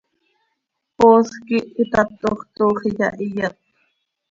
Poosj quih itatox, toox iyahiyat.